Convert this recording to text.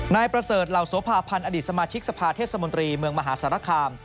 นายประเสริฐเหล่าโสภาพันธ์อดีตสมาชิกสภาเทศมนตรีเมืองมหาสารคาม